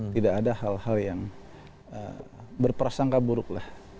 tidak ada hal hal yang berprasangka buruk lah